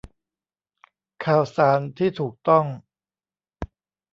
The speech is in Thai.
ข่าวสารที่ถูกต้อง